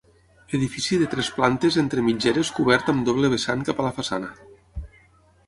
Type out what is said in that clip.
Edifici de tres plantes entre mitgeres cobert amb doble vessant cap a la façana.